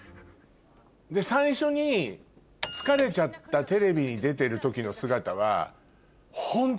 最初に疲れちゃったテレビに出てる時の姿は。